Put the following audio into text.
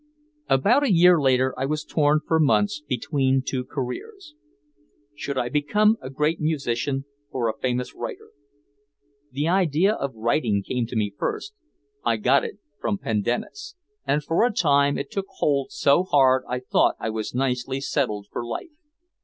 About a year later I was torn for months between two careers. Should I become a great musician or a famous writer? The idea of writing came to me first, I got it from "Pendennis," and for a time it took hold so hard I thought I was nicely settled for life.